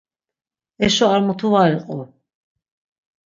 Eşo ar mutu var iqu.